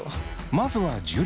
まずは樹。